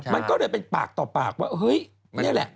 มันก็เลยเป็นปากต่อปากว่าเฮ้ยนี่แหละ